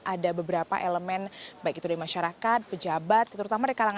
ada beberapa elemen baik itu dari masyarakat pejabat keturunan